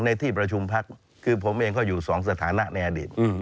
ในที่ประชุมพักคือผมเองก็อยู่สองสถานะในอดีต